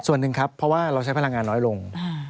ส่วนหนึ่งครับเพราะว่าเราใช้พลังงานน้อยลง